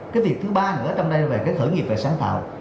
cái việc thứ ba nữa ở trong đây là cái khởi nghiệp về sáng tạo